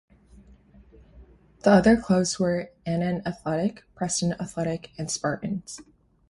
The other clubs were Annan Athletic, Preston Athletic and Spartans.